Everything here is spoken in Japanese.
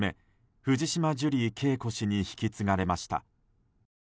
藤島ジュリー景子氏に引き継がれました。